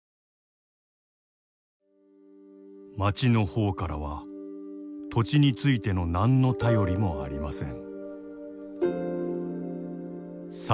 「町の方からは土地についての何の便りもありません」。